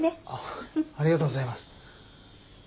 ありがとうございます。